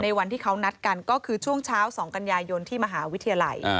วันที่เขานัดกันก็คือช่วงเช้า๒กันยายนที่มหาวิทยาลัย